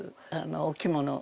お着物を。